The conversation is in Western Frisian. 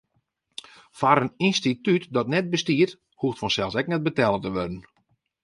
Foar in ynstitút dat net bestiet, hoecht fansels ek net betelle te wurden.